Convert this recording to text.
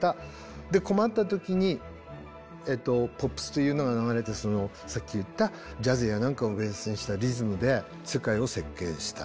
で困った時にポップスというのが流れてさっき言ったジャズや何かをベースにしたリズムで世界を席けんした。